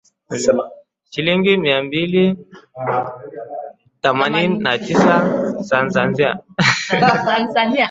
shilingi mia mbili themanini na tisa za Tanzania